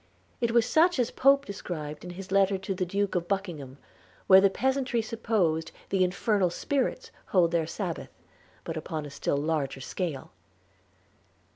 It was such as Pope describes in his letter to the Duke of Buckingham, where the peasantry supposed the infernal spirits hold their Sabbath; but upon a still larger scale.